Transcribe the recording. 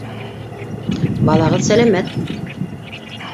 - Балағыҙ сәләмәт.